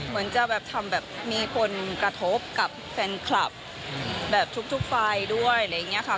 เหมือนจะทำแบบมีคนกระทบกับแฟนคลับทุกฝ่ายด้วยอะไรอย่างนี้ค่ะ